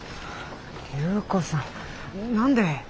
隆子さん何で？